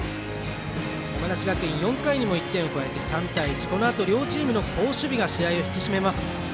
山梨学院、４回にも１点を加えて３対１、このあと両チームの好守備が光ります。